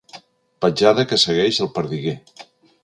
Petjada que segueix el perdiguer.